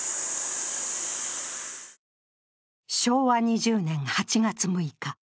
昭和２０年８月６日。